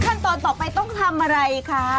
ขั้นตอนต่อไปต้องทำอะไรคะ